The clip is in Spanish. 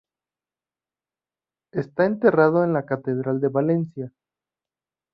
Está enterrado en la catedral de Valencia.